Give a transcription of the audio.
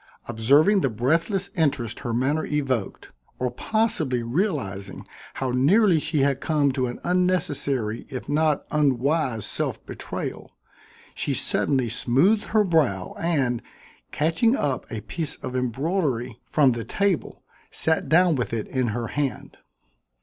Observing the breathless interest her manner evoked, or possibly realizing how nearly she had come to an unnecessary if not unwise self betrayal, she suddenly smoothed her brow and, catching up a piece of embroidery from the table, sat down with it in her hand.